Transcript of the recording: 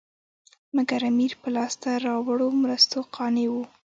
مګر امیر په لاسته راوړو مرستو قانع وو.